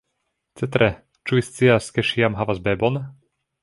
Cetere, ĉu vi scias, ke ŝi jam havas bebon?